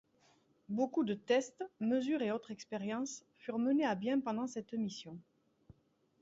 Beaucoup de tests, mesures et autres expériences furent menés à bien pendant cette mission.